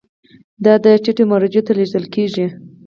دا ټیټو مرجعو ته لیږل کیږي.